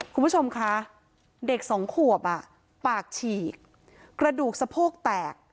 คุณผู้ชมคะเด็กสองขวบปากฉีกกระดูกสะโพกแตก